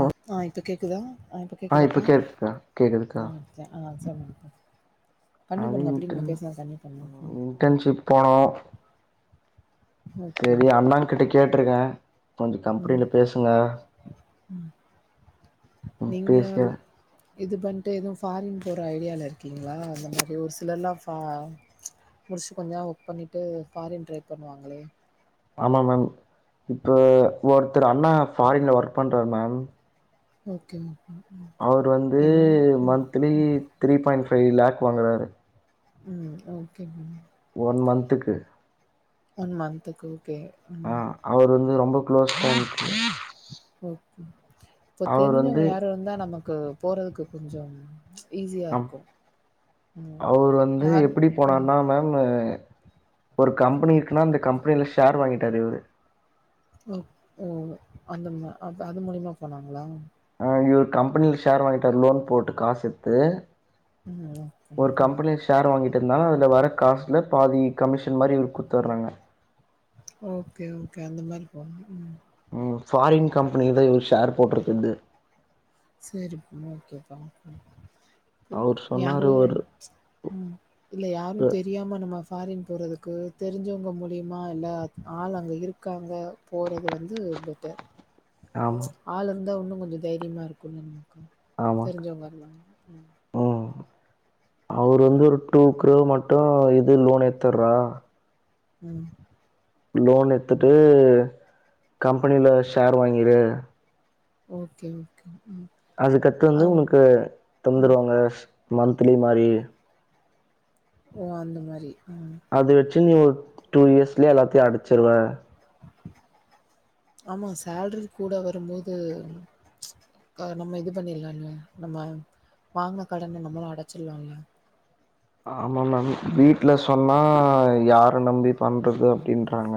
ஆ ஆ இப்ப கேக்குதா ஆ இப் ஆ இப்ப கேக்குதுக்கா கேக்குதுக்கா சேரிணா ஆ சேரிணா ம் பண்ணி அது பாருங்க அப்டி நீங்க இன்டர்ன் பேசினா சண்ணி பண்ணுங்க ம் இன்டர்ன்ஷிப் போனோ ஓகே செரி அண்ணாகிட்ட கேட்டிருக்கன் கொஞ்சோ ம் கம்பெனில பேசுங்க ம் நீங்க பேசிர்ற இது பண்ட்டு எதுவு ஃபாரின போற ஐடியால இருக்கீங்ளா அந்த மாரி ஒரு சிலரல்லா ஃபா முடிச்சு கொஞ்சோ ஒர்க் பண்ணிட்டு ஃபாரின் ட்ரை பண்ணுவாங்ளே ஆமா மேம் இப்போ ஒருத்தர் அண்ணா ஃபாரின்ல ஒர்க் பண்றார் மேம் ஓகே அவரு வந்து ஏன்னா ம் monthly three point five lakh வாங்குறாரு ம் ஓகே மேம் ஒன் மந்த்துக்கு ஒன் மந்த்க்கு ஓகே ஆ அவர் வந்து ரொம்ப க்ளோஸ் ஃப்ரெண்ட் ம், இப்ப அவர் தெரிஞ்சவங்க வந்து யாரு இருந்தா நமக்கு போறதுக்கு கொஞ்சோ ஆ அவரு வந்து யாரும் எப்டி ம் போனாருனா மேம் ஒரு கம்பெனி இருக்குன்னா அந்த கம்பெனியில ஷேர் வாங்கிட்டாரு இவரு ஓ ஓ அந்த மூ அது மூலியமா போனாங்களா ஆ இவரு கம்பெனில ஷேர் வாங்கிட்டாரு லோன் போட்டு காசு சேத்து ம் ஓகே ஒரு கம்பெனிஸ் ஷேர் வாங்கிட்டு இருந்தாலு அதுல வர்ற காசுல பாதி கமிஷன் மாரி இதுக்கு குடுத்தர்றாங்க ஓகே ஓகே அந்தமாரி போனு ம் ம் ஃபாரின் கம்பெனிக்குதான் இவர் ஷேர் போட்டிருக்கறது சேரிப்பா ஓகேப்பா ம் ம் அவரு உ சொன்னாரு யாரு ஒரு ம் இல்ல யாரு ஒரு- தெரியாம நம்ம ஃபாரின் போறதுக்கு தெரிஞ்சவங்க மூலியமா இல்ல ஆள் அங்க இருக்காங்க போறது வந்து பெட்டர் [unintelligible] ஆமா ஆள் இருந்தா இன்னு கொஞ்சோ தைரியமா இருக்கு நமக்கு ஆமா தெரிஞ்சவங்கலா இருந்தாங்கனா ம் ம் அவர் வந்து ஒரு டூ க்ரோர் மட்டு இது லோன் எடுத்தர்றா ம் லோன் எடுத்துட்டு கம்பெனில ஷேர் வாங்கிரு ஓகே ஓகே ம் அதுக்கடுத்து வந்து அவ் உனக்கு தந்துருவாங்க மன்த்லி மாரி ஓ அந்த மாரி ம் அது வெச்சு நீ ஒரு டூ இயர்ஸ்லயே எல்லாத்தையு அடச்சிருவ ஆமா சேலரி கூட வரும்போது அ நம்ம இது பண்ணிர்லா இல்ல நம்ம வாங்கின கடன நம்மளு அடச்சிடலால்ல ஆமா மேம் வீட்ல சொன்னா யார நம்பி பண்றது அப்டின்றாங்க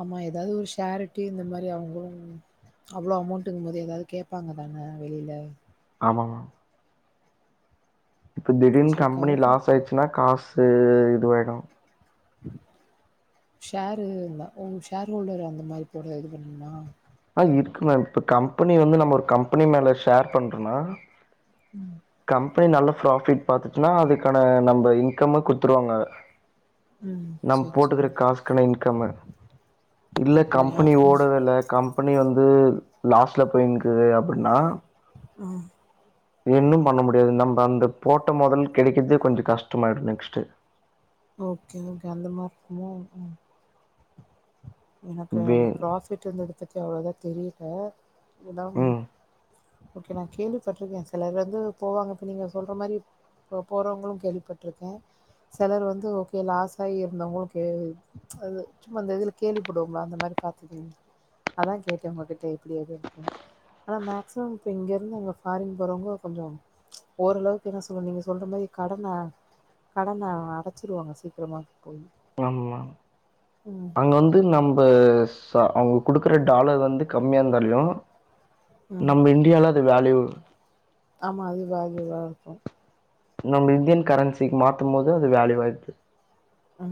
ஆமா எதாவது ஒரு ஷாரிட்டி இந்த மாரி அவுங்கோ அவ்ளோ அமௌண்ட்டுங்கும்போது எதாவது கேப்பாங்கதான வெளில ஆமா மேம் இப்டி திடீனு சரி கம்பெனி கவலப்பட லாஸ் ஆயிடுச்சுன்னா காசு இதுவாயிடு ஷேர்ரிருந்தா ஓ ஷேர் ஹோல்டர் அந்த மாரி போறது இது பண்ணீங்ளா ஆ இருக்கு மேம் இப்போ கம்பெனி வந்து நம்ம ஒரு கம்பெனி மேல ஷேர் பண்றனா ம் கம்பெனி நல்ல ப்ராஃபிட் பாத்துச்சுனா அதுக்கான நம்ப இன்கம்ம குடுத்துருவாங்க ம். நம் சரி, சரி. போட்டுக்குற காசுக்கான இன்கம்மு இல்ல அப்படியா? கம்பெனி ம், ஓடவே இல்ல கம் பண்ணி வந்து லாஸ்ல போயினிக்குது அப்பிடினா ஆ இன்னு பண்ண முடியாது நம்ப அந்த போட்ட மொதல் கெடைக்குறதே கொஞ்சோ கஷ்டமாயிரு நெக்ஸ்ட்டு ஓகே ஓகே அந்த மாரிருக்குமோ ஆ எனக்கு வே அந்த ப்ராஃசிட் இருந்தடுத்துக்கு அவ்ளோதா தெரியிது இதாம் ம் ஓகே நா கேள்விப்பட்ருக்கே செலர் வந்து போவாங்க இப்ப நீங்க சொல்ற மாரி போ போறவங்களு கேள்விப்பட்ருக்கே செலர் வந்து ஓகே லாஸாகி இருந்தா ஓகே அது சும்மா அந்த இதுல கேள்விப்படுவோம்ல அந்த மாரி பாத்துருக்கீங்ளா அதா கேட்டே உங்ககிட்ட எப்டி அதுன்டு அதா மேக்சிமம் இப்ப இங்கருந்து அங்க ஃபாரின் போறவங்க கொஞ்சோ ஓரளவுக்கு என்ன சொல்லு நீங்க சொல்ற மாரி கடன கடன அடச்சிடுவாங்க சீக்ரமா போய் ஆமா மேம் ம் அங்க வந்து நம்ப ச அவுங் குடுக்கற டாலர் வந்து கம்மியா இந்தாலியு ம் நம்ம இண்டியால அது வேல்யூ ஆமா அது அதுவா இருக்கு நம்ம இந்தியன் கரன்சிக் மாத்தும் போது அது வேல்யுவாய்டுது ஆ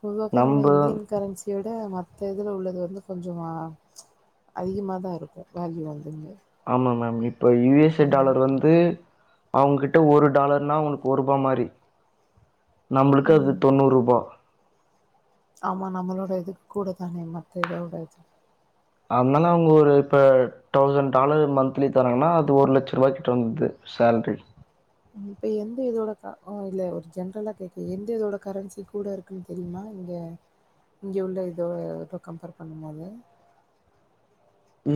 பொதுவாவே நம்ம நம்ப இந்தியன் கரன்சி யோட மத்த இதுல உள்ளது வந்து கொஞ்சோ ஆ அதிகமாகதா இருக்கு வேல்யூ வந்துங்க ஆமா மேம் இப்ப யு எஸ் ஏ ம் டாலர் வந்து அவுங்க கிட்ட ஒரு டாலர்னா ஒன் ஒர் ரூபா மாரி நம்மளுக்கு அது ம் தொண்ணூரூபா ஆமா நம்மளோட இதுக்கு கூட மத்த இதோட இது அதுனால அவுங்க ஒரு இப்ப டௌசண் டாலர் மந்த்லி தராங்கனா அது ஒரு லட்ச ரூவாய்க்கிட்ட வந்தது சேல்ரி இப்ப எந்த இதோட க அ இல்ல ஒரு ஜென்ரலா கேக்கே எந்த இதோட கரன்சி கூட இருக் குன் தெரியுமா இங்க இங்க உள்ள இதோட இப்ப கம்பேர் பண்ணும்போது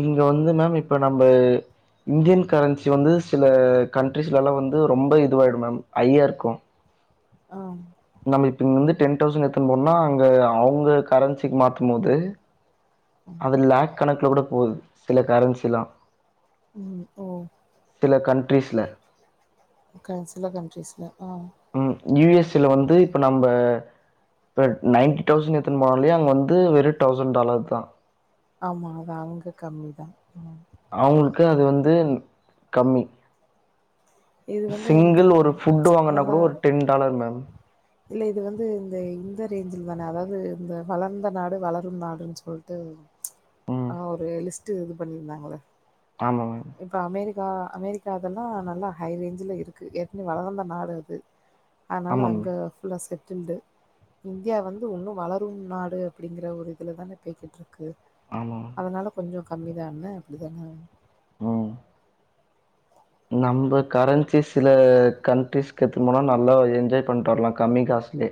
இங்க வந்து மேம் இப்ப நம்ப இந்தியன் கரன்சி வந்து சில கண்ட்ரிஸ்லலா வந்து ரொம்ப இதுவாயிடு மேம் ஐயாருக்கு ஆ நம்ம இப்ப இங்கந்து டென் டௌசண் எடுத்துனு போனோனா அங்க அவுங்க கரன்சிக்கு மாத்தும் போது அது லேக் கணக்குல கூட போது சில கரன்சிலா ம் ஓ சில கண்ட்ரீஸ்ல ஒகே சில கன்ட்ரீஸ்ல ஆ ம் யு எஸ் ஏ ல வந்து இப்ப நம்ப ப நைன்டி டௌசண்ட் எடுத்துனு போனாலே அங்க வந்து வெறு டௌசண் டாலர் தா ஆமா அது அங்க கம்மிதா ம் அவுங்களுக்கு அது வந்துன் கம்மி இது வந்து அந்த சிங்கிள் ஒரு ஃபுட் வாங்குனா நல்லா கூட ஒரு மேம். இல்ல இது வந்து இந்த இந்த ரேஞ்சில் தான அதாவது இந்த வளர்ந்த நாடு வளரும் நாடுன் சொல்ட்டு ம். ஆ ஒரு லிஸ்ட்டு இது பண்ணிருந்தாங்கலே ஆமா மேம் இப்போ அமெரிக்கா அமெரிக்கா இதெல்லா நல்லா ஹை ரேஞ்சுல இருக்கு ஏற்கனவே வளர்ந்த நாடு அது அதுனால ஆமா மேம். அங்க ஃபுல்லா செட்டுல்டு இந்தியா வந்து உன்னு வளரும் நாடு அப்டிங்கிற ஒரு இதுல தான போய்க்கிட்டு இருக்கு ஆமா அதனால கொஞ்சோ கம்மி தான அப்டிதான ம் நம்ம கரன்சிஸ்ல கன்ட்ரிஸ்க்கு எத்துனு போனாலு நல்லா என்ஜாய் பண்ட்டு வரலா கம்மி காசுலே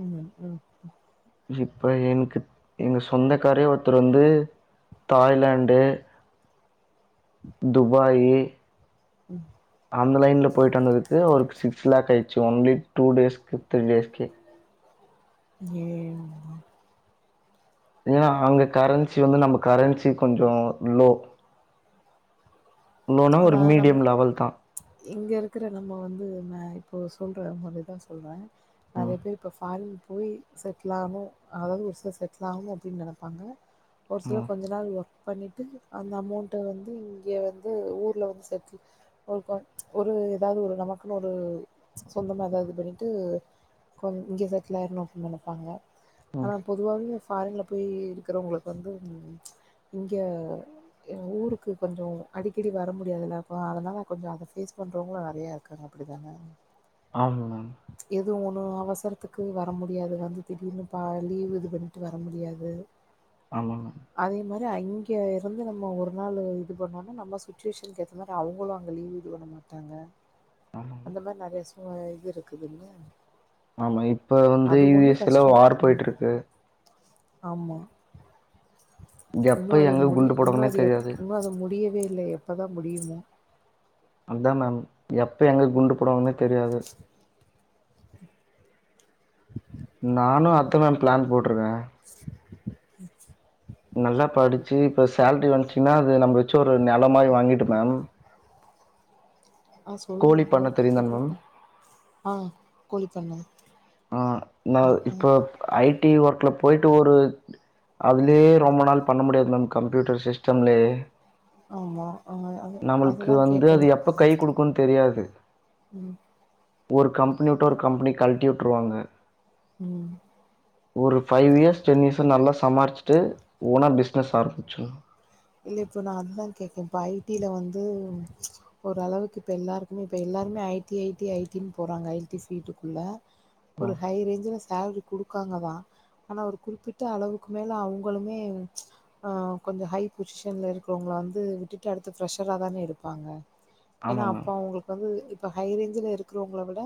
ம் அ இப்ப எனக்கு எங்க சொந்த காரே ஒருத்தர் வந்து தாய்லாண்டு துபாயி ம் அந்த லைன்ல போயிட்டு வந்ததுக்கு ஒரு சிக்ஸ் லேக் ஆயிடுச்சு ஒன்லி டூ டேஸுக்கு த்ரீ டேஸுக்கே ஏன் ஏன்னா அங்க கரன்சி வந்து நம்ம கரன்சி கொஞ்சோ லோ லோ னா ஒரு ஆனா நம்ம மீடியம் லெவல் தா இங்க இருக்கற நம்ம வந்து நா இப்போ சொல்ற முறை தா சொல்ற நறைய ம் பேர் இப்போ ஃபாரின் போய் செட்டில் ஆகணு அதாவது ஒரு சிலர் செட்டில் ஆகணு அப்டின்னு நெனப்பாங்க ஒரு சிலர் ம் கொஞ்ச நாள் ஒர்க் பண்ணிட்டு அந்த அமௌண்ட்ட வந்து இங்க வந்து ஊர்ல வந்து செட்டில் ஒருக்கா ஒரு ஏதாவது ஒரு நமக்குன்னு ஒரு சொந்தமா எதாவது பண்ணிட்டு கோ இங்க செட்டில் ஆயிரணு அப்டின் நெனப்பாங்க ம் ஆனா பொதுவாவே ஃபாரின்ல போயி இருக்கிறவங்களுக்கு வந்து இங்க எ ஊருக்கு கொஞ்சோ அடி அடிக்கடி வர முடியாதுல்லப்பா அதனால கொஞ்சோ அத ஃபேஸ் பண்றவங்களு நறைய இருக்காங்க அப்டி தான ஆமா எது ஒன்னு அவசரத்துக்கு வர முடியாது வந்து திடீர்னு இப்ப லீவ் இது பண்ணிட்டு வர முடியாது ஆமாங்க அதே மாறி அங்க இருந்து நம்ம ஒரு நாளு இது பண்ணோனா நம்ம சுட்சுவேஷனுக்கு ஏத்த மாரி அவுங்களு அங்க லீவ் இது பண்ண மாட்டாங்க ஆமா மேம் இந்த மாறி நறைய சூழ்நிலை இது இருக்குதுல்ல ஆமா இப்ப வந்து அது யு ஒண்ணு எஸ் ல கஷ்டோ வார் ம் போய்ட்டு இருக்கு ஆமா இன்னு எப்ப அது எங்க முடி குண்டு இன்னு போடுவாங்கன்னே அது எப் தெரியாது இன்னு அது முடியவே இல்ல எப்பதா முடியுமோ? அதா மேம் எப்ப எங்க குண்டு போடுவாங்கன்னே தெரியாது ப்ச் ஹ்ம் [inaudible] நானு அதா மேம் பிளான் போட்ருக்க. [inaudible] நல்லா படிச்சு இப்ப சேல்ரி வந்துச்சுன்னா அது நம்ம வச்சு ஒரு நெலோ மாரி வாங்கிட்டு மேம் ஆ சொல்லுங்க கோழி ப்ரோ பண்ண தெரியுந்தான மேம் கேக்குதுங்க ஆ கூலி தாங்க ஆ நா இப்ப ஐ டி ஒர்க்ல போய்ட்டு ஒரு அதுலயே ரொம்ப நாள் பண்ண முடியாது மேம் கம்ப்யூட்டர் சிஸ்டம்லே ஆமா ஆ அது நம்மளுக்கு அதுதா வந்து கேட்டே அது எப்ப கை குடுக்குன்னு தெரியாது ம் ஒரு கம்பெனி வுட்டு ஒரு கம்பெனி கல்ட்டி வுட்ருவாங்க ம் ஒரு ஃபைவ் இயர்ஸ் டென் இயர்ஸ் நல்லா சம்பாரிச்சிட்டு ஓனா பிஸ்னஸ் ஆரம்பிச்சிர்லா இல்ல இப்போ நா அதுதா கேக்கே இப்ப ஐடில வந்து ஓரளவுக்கு இப்ப எல்லாருக்குமே இப்ப எல்லாருமே ஐடி ஐடி ஐடின்னு போறாங்க ஐ டி ஃபீல்டுக்குள்ள ஒரு ம் ஹை ரேஞ்சுல சால்ரி குடுக்காங்க தா ஆனா ஒரு குறிப்பிட்ட அளவுக்கு மேல அவங்களுமே ஆ கொஞ்ச ஹை பொசிஷன்ல இருக்கிறவங்கள வந்து விட்டுட்டு அடுத்து ஃப்ரஷரா தான எடுப்பாங்க ஏன்னா ஆமா அப்ப மேம் அவங்களுக் இப்ப வந்து இப்ப ஹை ரேஞ்ச்ல இருக்குறவங்கள விட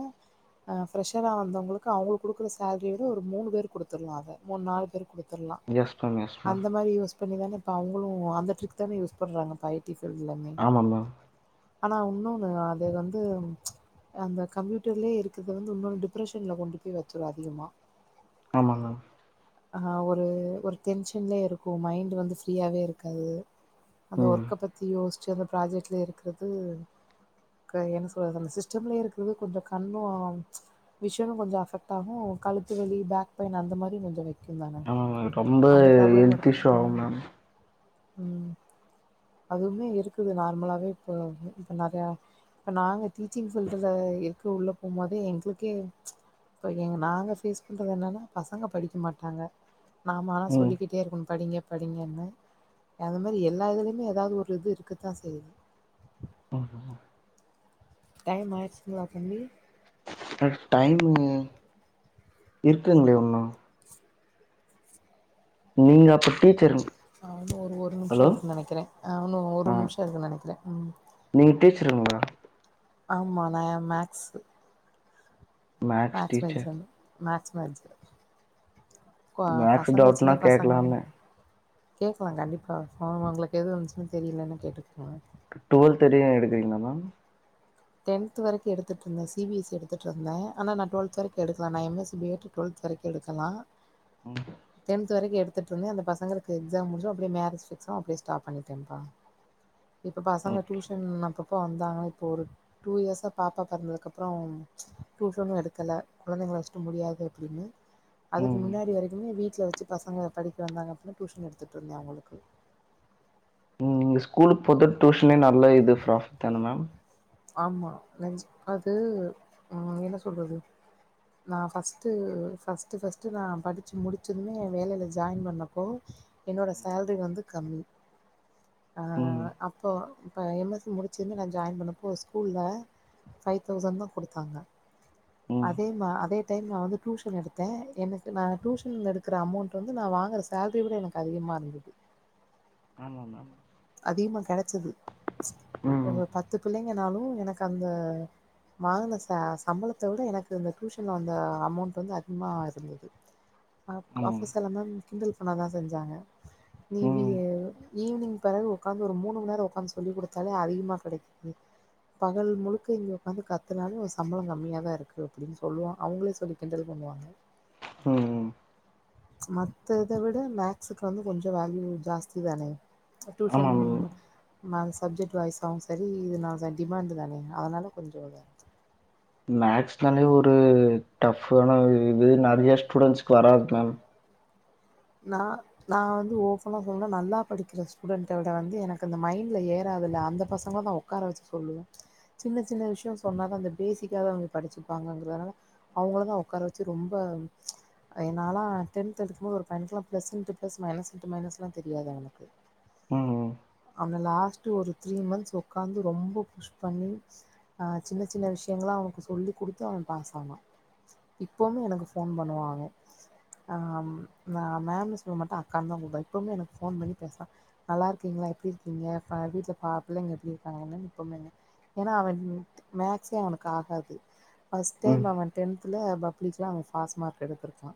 அ ஃப்ரெஷரா வந்தவங்களுக்கு அவளுக் குடுக்குற சேல்ரிய விட ஒரு மூணு பேர்க்கு குடுத்துர்லா அத மூணு நாலு பேருக் குடுத் தர்லா எஸ் மேம் எஸ் மேம் அந்த மாரி யோ பண்ணிதான இப்ப அவங்களு அந்த ட்ரிக் தானே யூஸ் பண்றாங்க இப்ப ஐ டி ஃபீல்டு எல்லாமே ஆமா மேம் ஆனா இன்னொன்னு அது வந்து அந்த கம்ப்யூட்டர்லயே இருக்றது வந்து இன்னோனு டிப்ரஷன்ல கொண்டு போய் வெச்சுரு அதிகமா ஆமாங்க ஆ ஒரு ஒரு டென்ஷன்லே இருக்கு மைண்ட் வந்து ஃப்ரீயாவே இருக்காது அந்த ம் ஒர்க்க பத்தி யோசிச்சு அந்த ப்ராஜெக்ட்லயே இருக்கிறது என்ன சொல்றது அந்த சிஸ்டம்லயே இருக்கிறது கொஞ்ச கண்ணு விஷனு கொஞ்ச அஃபெக்ட் ஆகு கழுத்து வலி பேக் பெயின் அந்த மாரியு கொஞ்ச வரு க்குந் தான ஆமா மேம் ரொம்ப அந்த ப்ராப்ளமு ஹெல்த் இருக்கு இஷ்யூ ம் ஆகும் மேம் ம் அதுவுமே இருக்குது நார்மலாவே இப்ப இப்ப நெறையா இப்ப நாங்க டீச்சிங் ஃபீல்டுல இருக்கு உள்ள போம்போதே எங்ளுக்கே இப்ப எங்க நாங்க ஃபேஸ் பண்றது என்னன்னா பசங்க படிக்க மாட்டாங்க நாமலா ம் சொல்லிக்கிட்டே இருக்கணு படிங்க படிங்கன்னு அந்த மாதிரி எல்லா இதுலயுமே ஏதாவது ஒரு இது இருக்கதா செய்யுது ஆ அ டைம் ஆயிருச்சுங்களா தம்பி ட டைமு இருக்குங்ளே இன்னோ நீங்க அப்ப டீச்சருங் ஆமா ஒரு ஒரு நிமிஷ இருக்குன் நெனைக்கிறே அ இன்னு ஒரு ஆ நிமிஷ இருக்குன் நெனைக்கிறே ம் நீங்க டீச்சருங்களா ஆமா நா மேக்ஸு மேக்ஸ் மேஜனு மேக்ஸ் மேஜர் கொ மேக்ஸ் பசங்க டவுட்னா சின்ன பசங்கதா கேக்கலான்னு கேக்கலா கண்டிப்பா ஆமா உங்களுக்கு எது வந்துச்சுனு தெரிலனு கேட்டுக்லா டுவெல்த் வரியு எடுக்கிறிங்ளா மேம் டென்த் வரைக்கு எடுத்துட்டுருந்தே சி பி எஸ் சி எடுத்துட்ருந்தே ஆனா நா டுவெல்த் வரைக்கு எடுக்கலா நா எம் எஸ் சி பி எட் டுவெல்த் வரைக்கு எடுக்கலா ம் டென்த் து வரைக்கு எடுத்துட்டுருந்தே அந்த பசங்களுக்கு எக்ஸாம் முடிஞ்சு அப்டியே மேரேஜ் பிக்ஸ் ஆகவு அப்டியே ஸ்டாப் பண்ணிட்டேம்ப்பா இப்ப பசங்க ஓகே டியூஷன் அப்பப்ப வந்தாங்கனா இப்ப ஒரு டூ இயர்ஸா பாப்பா பிறந்ததுக்கப்றோ டியூசனு எடுக்கல குழந்தைங்கள வெச்ட்டு முடியாது அப்டின்னு அதுக்கு ம் முன்னாடி வரைக்குமே வீட்ல வெச்சு பசங்கள படிக்க வந்தாங்க அப்புனா டியூஷன் எடுத்துட்டுருந்தே அவங்களுக்கு ம் நீங்க ஸ்கூலுக்கு போறதுட டியூஷனே நல்ல இது ப்ராஃபிட் தான மேம் ஆமா லன்ச் அது ம் என்ன சொல்றது நா ஃபஸ்ட்டு ஃபஸ்ட்டு ஃபஸ்ட்டு நா படிச்சு முடிச்சதுமே வேலையில ஜாயின் பண்ணப்போ என்னோட சேல்ரி வந்து கம்மி ஆ ம் அப்போ இப்ப எம் எஸ் சி முடிச்சதுமே நா ஜாயின் பண்ணப் போ ஸ்கூல்ல ஃபைவ்தௌசண்ட்தா குடுத்தாங்க ம் அதே மா அதே டைம் நா வந்து டியூஷன் எடுத்தே எனக்கு நா டியூஷன் எடுக்குற அமௌண்ட் வந்து நா வாங்குற சேல்ரிய விட எனக்கு அதிகமா இருந்தது ஆமா மேம் அதிகமா கெடைச்சது ம் ஒரு பத்து பிள்ளைங்கனாலு எனக்கு அந்த வாங்கின ச சம்பளத்த விட எனக்கு இந்த டியூஷன்ல் வந்த அமௌண்ட் வந்து அதிகமா இருந்துது அப் ஆமா மேம். ஆஃபீஸ்ல எல்லாம கிண்டல் பண்ண தா செஞ்சாங்க நீ வி ம் ஈவினிங் பிறகு உட்காந்து ஒரு மூணு மணி நேர உக்காந்து சொல்லி கொடுத்தாலே அதிகமா கெடைக்கு து பகல் முழுக்க இங்க உக்காந்து கத்துனாலு சம்பளம் கம்மியா தா இருக்கு அப்டின்னு சொல்லுவா அவங்களே சொல்லி கிண்டல் பண்ணுவாங்க ம் ம் மத்த இத விட மேக்ஸுக்கு வந்து கொஞ்ச வேல்யூ ஜாஸ்தி தானே அ ஆமா டியூஷன் மேம் ம சப்ஜெக்ட் வைஸ் ஆவு சரி டி இதனால தா டிமாண்ட் தானே அதனால கொஞ்ச மேக்ஸ்னாலே ஒரு டஃப்பானா இது நெறைய ஸ்டூடெண்ட்ஸ்க்கு வராது மேம் நா நா வந்து ஓப்பனா சொல்றே நல்லா படிக்கிற ஸ்டூடெண்ட்ட விட வந்து எனக்கு அந்த மைண்டில ஏறாதில்ல அந்த பசங்கள தா ஓக் உட்கார வச்சு சொல்லுவே சின்ன சின்ன விஷய சொன்னாதா அந்த பேஸிக்கா அவங்க படிச்சுப்பாங்கறதனால அவங்கள தா உட்கார வச்சு ரொம்ப ஆ நாலா டென்த் எடுத்துக்கும்போது ஒரு அவனுக்கு கெல்லா ப்ளஸ்னுட்டு ப்ளஸ் மைனஸ்னுட்டு மைனஸ்லா தெரியாது அவனுக்கு ம் அவன லாஸ்ட்டு ஒரு த்ரீ மந்த்ஸ் உக்காந்து ரொம்ப புஷ் பண்ணி ஆ சின்ன சின்ன விஷயங்கள் அவனுக்கு சொல்லிக்கொடுத்து அவ பாஸ்ஸானா இப்பவு எனக்கு ஃபோன் பண்ணுவா அவ ஆ நா மேம்ன்னு சொல்ல மாட்ட அக்கான்னு தா கூப்டுவா இப்பவுமே எனக்கு ஃபோன் பண்ணி பேசுவா நல்லாருக்கீங்களா எப்டி இருக்கீங்க வீட்ல ஃப பிள்ளைங்க எப்டி இருக்காங்கன்னா இப்போமே ஏன்னா அவன் மேக்ஸ்சே அவனுக்கு ஆகாது ஃபஸ்ட் ம் டைம் அவ டென்த்துல பப்ளிக்ல அவ ஃபஸ்மார்க் எடுத்திருக்கா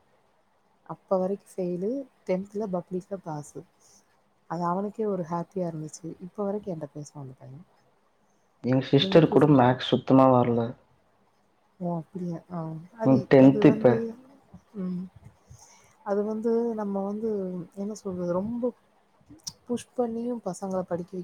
இப்போ வரைக்கு ஃபெயிலு டென்த்துல பப்ளிக்ல பாஸு அது அவனுக்கே ஒரு ஹாப்பியா இருந்துச்சு இப்ப வரைக்கு என்ட்ட பேசுவா அந்த பைய ஏ நீங்க சிஸ்டர் புஷ் கூட மேக்ஸ் சுத்தமா வரல ஓ அப்டியா ஆ அதி ம் அது டென்த் இப்ப வந்து ம் அது வந்து நம்ம வந்து என்ன சொல்றது ரொம்ப புஷ் பண்ணியு பசங்கள படிக்க வைக்